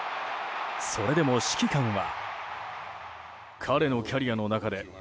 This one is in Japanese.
それでも指揮官は。